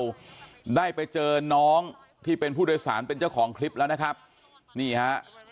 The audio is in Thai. เราได้ไปเจอน้องที่เป็นผู้โดยสารเป็นเจ้าของคลิปแล้วนะครับนี่ฮะ